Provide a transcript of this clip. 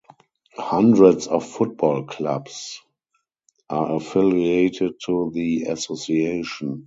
Hundreds of football clubs are affiliated to the association.